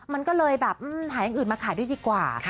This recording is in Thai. มันก็เลยแบบหาอย่างอื่นมาขายด้วยดีกว่า